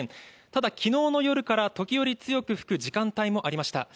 ただ、きのうの夜から時折、強く吹く時間帯もありました。